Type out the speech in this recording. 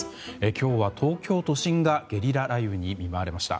今日は東京都心がゲリラ雷雨に見舞われました。